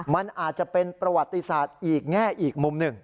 มันอาจจะเป็นประวัติศาสตร์อีกแง่อีกมุมหนึ่ง